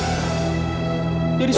saya itu persis